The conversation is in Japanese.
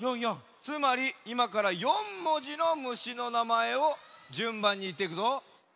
つまりいまから４文字の虫のなまえをじゅんばんにいっていくぞ。